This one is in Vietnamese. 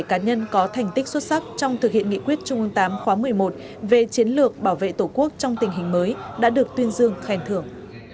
các nhân có thành tích xuất sắc trong thực hiện nghị quyết trung ương tám khóa một mươi một về chiến lược bảo vệ tổ quốc trong tình hình mới đã được tuyên dương khen thưởng